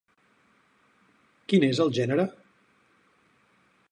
Quin és el gènere?